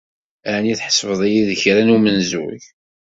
Ɛni tḥesbeḍ-iyi d kra n umenzug?